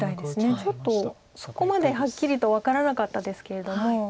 そこまではっきりと分からなかったですけれども。